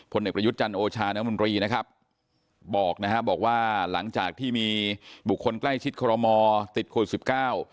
พลเอกประยุทธ์จันโอชานมรีนะครับบอกนะฮะบอกว่าหลังจากที่มีบุคคลใกล้ชิดคอลอมอติดโคล๑๙